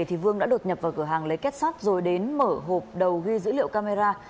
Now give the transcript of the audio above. thì vương đã đột nhập vào cửa hàng lấy kết sắt rồi đến mở hộp đầu ghi dữ liệu camera